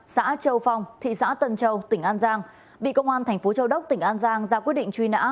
xã châu phong thị xã tân châu tỉnh an giang bị công an thành phố châu đốc tỉnh an giang ra quyết định truy nã